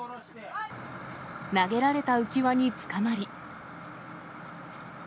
投げられた浮き輪につかまり。